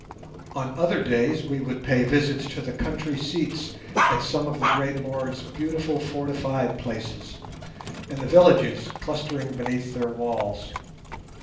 On other days we would pay visits to the country seats at some of the great lords' beautiful fortified places, and the villages clustering beneath their walls.